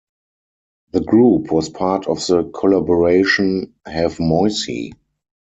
The group was part of the collaboration Have Moicy!